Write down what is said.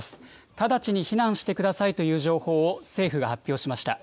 直ちに避難してくださいという情報を政府が発表しました。